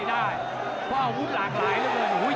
เพราะอาวุธหลากหลายเลย